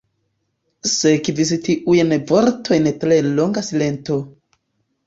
Sekvis tiujn vortojn tre longa silento.